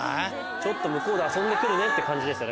ちょっと向こうで遊んで来るねって感じですよね。